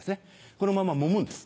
このままもむんです。